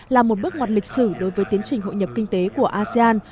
là một bước ngoặt lịch sử đối với tiến trình hội nhập kinh tế của asean